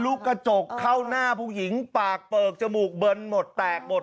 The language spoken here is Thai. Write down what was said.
ลูกกระจกเข้าหน้าผู้หญิงปากเปลือกจมูกเบิร์นหมดแตกหมด